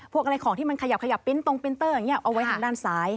พวกอะไรของที่มันขยับขยับปิ๊นตรงปรินเตอร์อย่างนี้เอาไว้ทางด้านซ้าย